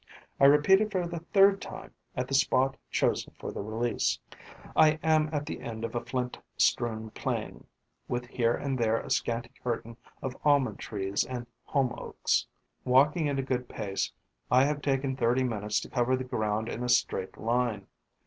I repeat it for the third time at the spot chosen for the release. I am at the end of a flint strewn plain, with here and there a scanty curtain of almond trees and holm oaks. Walking at a good pace, I have taken thirty minutes to cover the ground in a straight line.